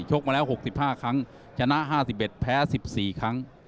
กมาแล้ว๖๕ครั้งชนะ๕๑แพ้๑๔ครั้ง